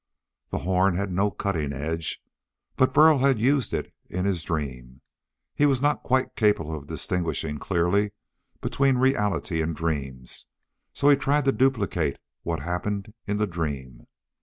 The horn had no cutting edge, but Burl had used it in his dream. He was not quite capable of distinguishing clearly between reality and dreams; so he tried to duplicate what happened in the dream.